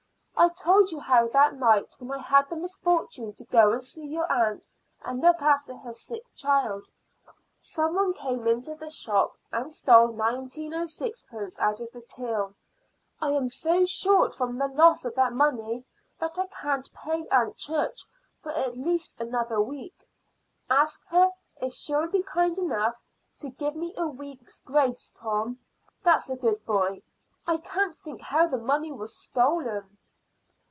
I told you how that night when I had the misfortune to go and see your aunt and look after her sick child, some one came into the shop and stole nineteen and sixpence out of the till. I am so short from the loss of that money that I can't pay Aunt Church for at least another week. Ask her if she'll be kind enough to give me a week's grace, Tom; that's a good boy. I can't think how the money was stolen."